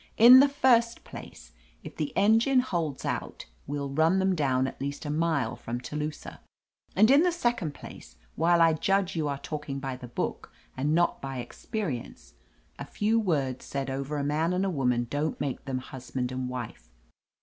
"In the first place, if the engine holds out, we'll rim them down at least a mile from Telusah, and in the second place, while I judge you are talking by the book and not by experience — a, few words said over a man and a woman don't make them husband and wife.